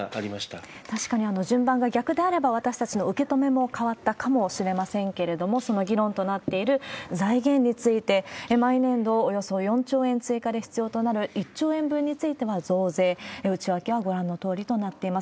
確かに順番が逆であれば、私たちの受け止めも変わったかもしれませんけれども、その議論となっている財源について、毎年度およそ４兆円追加で必要となる１兆円分については増税、内訳はご覧のとおりとなっています。